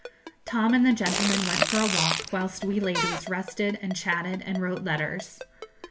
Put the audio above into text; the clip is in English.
Tom and the gentlemen went for a walk, whilst we ladies rested and chatted and wrote letters.